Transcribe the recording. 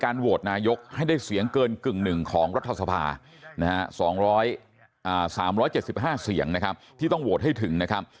ก็มี๓๗๕เสียงนะครับที่ต้องโวตให้ถึงนะครับ